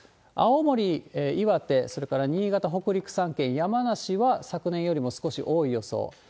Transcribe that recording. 青森、岩手、それから新潟、北陸３県、山梨は、昨年よりも少し多い予想。